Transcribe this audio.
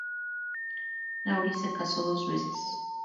Laurie se casó dos veces.